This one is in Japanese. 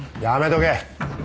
やめとけ。